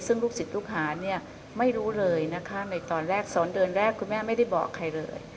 ซึ่งลูกศิษย์ลูกหาเนี่ยไม่รู้เลยนะคะในตอนแรก๒เดือนแรกคุณแม่ไม่ได้บอกใครเลย